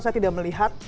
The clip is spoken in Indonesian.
saya tidak melihat